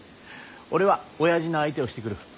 俺はおやじの相手をしてくる。